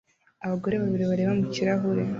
abagore babiri bareba mu kirahure